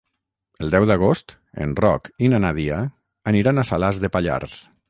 El deu d'agost en Roc i na Nàdia aniran a Salàs de Pallars.